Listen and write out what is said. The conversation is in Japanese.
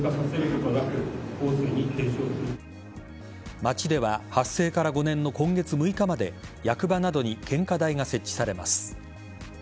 町では発災から５年の今月６日まで役場などに献花台が設置されます。